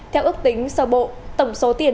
theo ước tính sơ bộ tổng số tiền